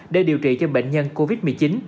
để điều trị cho bệnh nhân covid một mươi chín